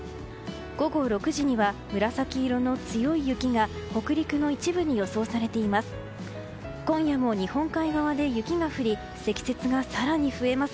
午後６時には紫色の強い雪が北陸の一部に予想されています。